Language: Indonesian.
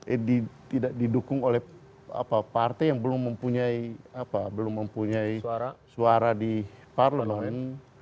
misal seorang calon presiden yang tidak didukung oleh partai yang belum mempunyai suara di parlemen